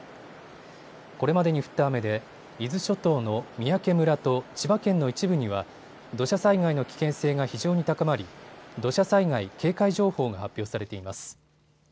これまでに降った雨で伊豆諸島の三宅村と千葉県の一部には土砂災害の危険性が非常に高まり土砂災害警戒情報が発表されています。